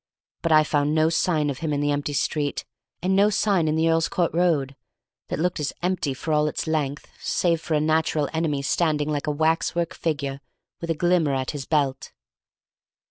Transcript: But I found no sign of him in the empty street, and no sign in the Earl's Court Road, that looked as empty for all its length, save for a natural enemy standing like a waxwork figure with a glimmer at his belt.